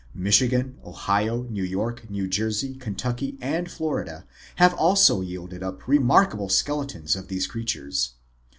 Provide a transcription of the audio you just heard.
Michigan, Ohio, New York, New Jersey, Kentucky, and Florida have also yielded up remarkable skele tons of these creatures.